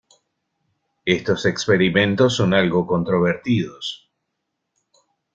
Estos experimentos son algo controvertidos.